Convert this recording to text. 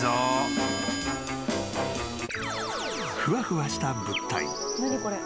［ふわふわした物体］